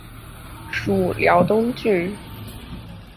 属辽东郡。